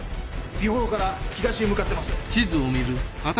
美幌から東へ向かってます。